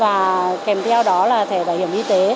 và kèm theo đó là thẻ bảo hiểm y tế